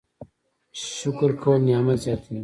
شکر کول نعمت زیاتوي